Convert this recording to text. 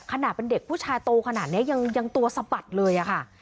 ขนาดเป็นเด็กผู้ชายโตขนาดนี้ยังตัวสะบัดเลยอะค่ะ